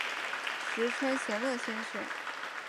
时称闲乐先生。